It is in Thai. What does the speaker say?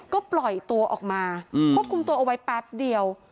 ก็ปล่อยตัวออกมาควบคุมตัวเอาไว้แป๊บเดียว